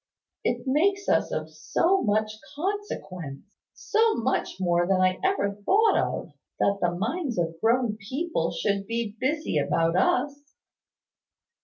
"It makes us of so much consequence, so much more than I ever thought of, that the minds of grown people should be busy about us."